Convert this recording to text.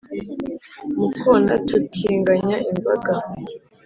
mu kona tukinganya imbaga,